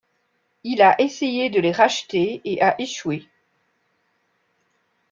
Il a essayé de les racheter et a échoué.